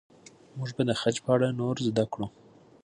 موږ به د خج په اړه نور زده کړو.